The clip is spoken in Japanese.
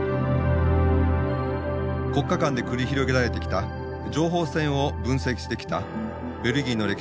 国家間で繰り広げられてきた情報戦を分析してきたベルギーの歴史学者アンヌ・モレリ氏。